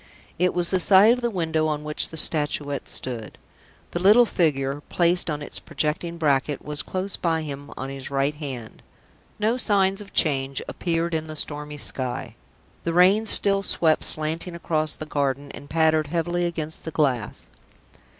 It was the side of the window on which the Statuette stood. The little figure, placed on its projecting bracket, was, close behind him on his right hand. No signs of change appeared in the stormy sky. The rain still swept slanting across the garden, and pattered heavily against the glass.